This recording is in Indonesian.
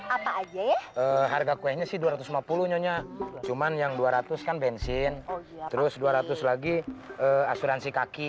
apa aja ya harga kuenya sih dua ratus lima puluh nyonya cuman yang dua ratus kan bensin terus dua ratus lagi asuransi kaki